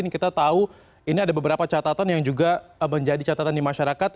kita tahu ini ada beberapa catatan yang juga menjadi catatan di masyarakat